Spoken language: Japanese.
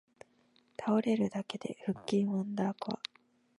倒れるだけで腹筋ワンダーコア